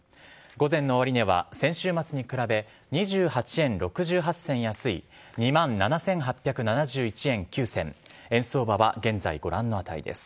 午前の終値は、先週末に比べ、２８円６８銭安い、２万７８７１円９銭、円相場は現在、ご覧の値です。